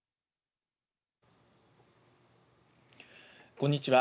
こんにちは。